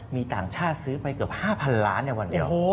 มีต่างชาติซื้อไปเกือบ๕๐๐๐ล้านในวันเดียว